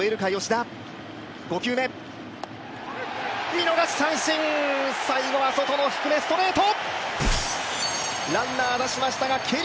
見逃し三振、最後は外の低めストレート。